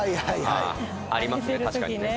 ありますね